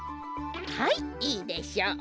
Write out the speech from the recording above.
はいいいでしょう。